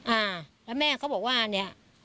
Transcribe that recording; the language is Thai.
อ่าแล้วแม่ก็บอกว่าเนี่ย